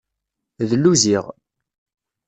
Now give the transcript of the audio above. Dlu ziɣ.